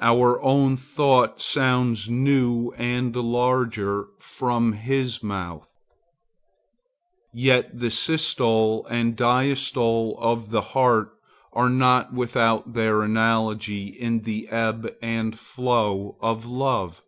Our own thought sounds new and larger from his mouth. Yet the systole and diastole of the heart are not without their analogy in the ebb and flow of love.